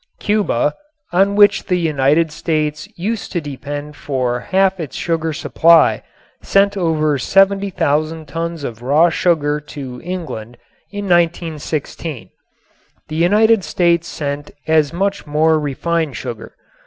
Cuba, on which the United States used to depend for half its sugar supply, sent over 700,000 tons of raw sugar to England in 1916. The United States sent as much more refined sugar.